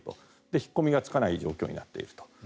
引っ込みがつかない状況になっていると。